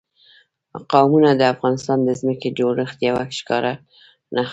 قومونه د افغانستان د ځمکې د جوړښت یوه ښکاره نښه ده.